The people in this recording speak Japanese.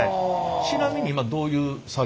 ちなみに今どういう作業を？